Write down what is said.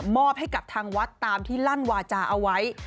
อบให้กับทางวัดตามที่ลั่นวาจาเอาไว้